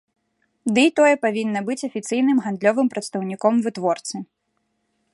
Ды і тое павінна быць афіцыйным гандлёвым прадстаўніком вытворцы.